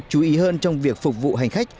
chú ý hơn trong việc phục vụ hành khách